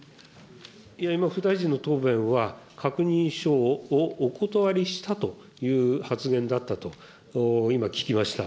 今、副大臣の答弁は、確認書をお断りしたという発言だったと、今、聞きました。